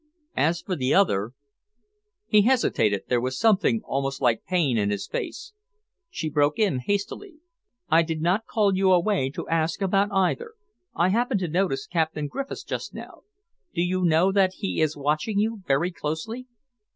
As for the other " He hesitated. There was something almost like pain in his face. She broke in hastily. "I did not call you away to ask about either. I happened to notice Captain Griffiths just now. Do you know that he is watching you very closely?"